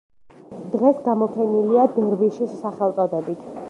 დღეს გამოფენილია „დერვიშის“ სახელწოდებით.